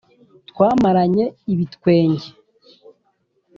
twamaranye ibitwenge